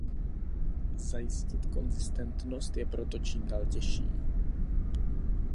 Zajistit konzistentnost je proto čím dál tím těžší.